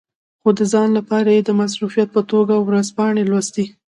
خو د ځان لپاره یې د مصروفیت په توګه ورځپاڼې لوستې.